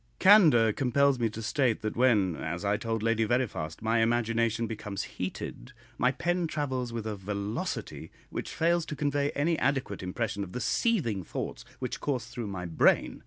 Candour compels me to state that when, as I told Lady Veriphast, my imagination becomes heated, my pen travels with a velocity which fails to convey any adequate impression of the seething thoughts which course through my brain.